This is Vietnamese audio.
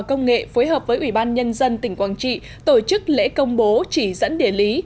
công nghệ phối hợp với ủy ban nhân dân tỉnh quảng trị tổ chức lễ công bố chỉ dẫn địa lý